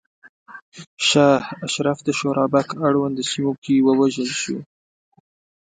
شاه اشرف د شورابک اړونده سیمو کې ووژل شو.